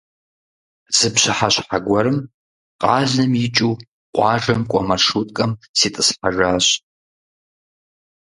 Зы пщыхьэщхьэ гуэрым къалэм икӀыу къуажэм кӀуэ маршруткэм ситӀысхьэжащ.